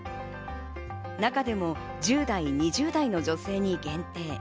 中でも１０代、２０代の女性に限定。